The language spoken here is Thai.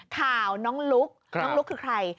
ข่าวน้องลุ๊กน้องลุ๊กคือใคร